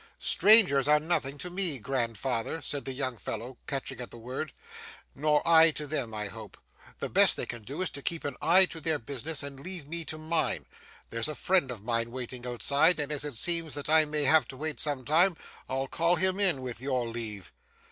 'Strangers are nothing to me, grandfather,' said the young fellow catching at the word, 'nor I to them, I hope. The best they can do, is to keep an eye to their business and leave me to mine. There's a friend of mine waiting outside, and as it seems that I may have to wait some time, I'll call him in, with your leave.